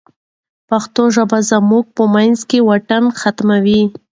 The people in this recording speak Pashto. پښتو ژبه زموږ په منځ کې واټنونه ختموي.